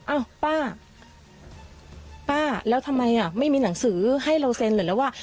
อ้าวป้าป้าแล้วทำไมอ่ะไม่มีหนังสือให้เราเซ็นเหรอแล้วว่า